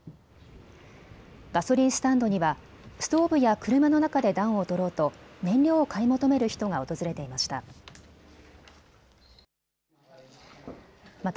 ガソリンスタンドにはストーブや車の中で暖を取ろうと燃料を買い求める人が訪れていました。